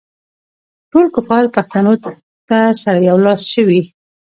ټول کفار پښتنو ته سره یو لاس شوي.